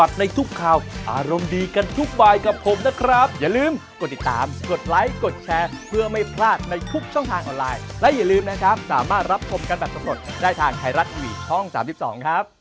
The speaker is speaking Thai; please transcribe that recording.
อ้าวถูกใจแน่นอนแต่ถ้าหาก